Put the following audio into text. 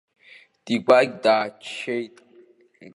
Дигәагь дааччеит.